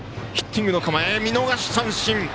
見逃し三振。